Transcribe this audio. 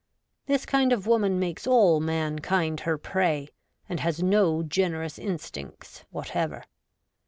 This kind of woman makes all mankind her prey, and has no generous instincts whatever.